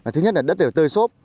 thứ nhất là đất đều tơi sốt